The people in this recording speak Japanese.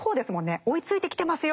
追いついてきてますよっていう。